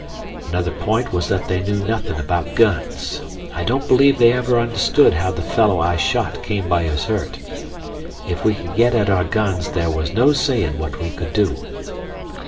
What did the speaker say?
Another point was that they knew nothin' about guns. I don't believe they ever understood how the fellow I shot came by his hurt. If we could get at our guns there was no sayin' what we could do.